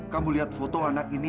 kamu lihat foto anak ini